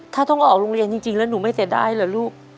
ถ้าต้องออกโรงเรียนจริงแล้วหนูไม่เสียดายเหรอลูก